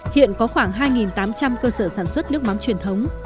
hiện có khoảng hai tám trăm linh cơ sở sản xuất nước mắm truyền thống